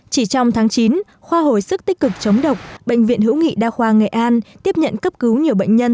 chỉ trong tháng chín khoa hồi sức tích cực chống độc bệnh viện hữu nghị đa khoa nghệ an tiếp nhận cấp cứu nhiều bệnh nhân